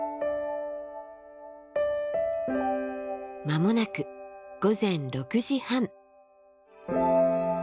間もなく午前６時半。